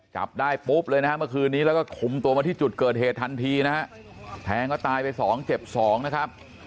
จับได้ปุ๊บเลยนะฮะเมื่อคืนนี้แล้วก็คุมตัวมาที่จุดเกิดเหตุทันทีนะฮะแทงเขาตายไปสองเจ็บสองนะครับ